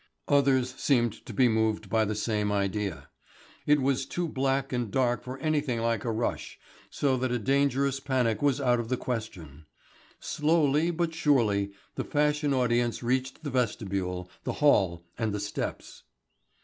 Others seemed to be moved by the same idea. It was too black and dark for anything like a rush, so that a dangerous panic was out of the question. Slowly but surely the fashionable audience reached the vestibule, the hall, and the steps.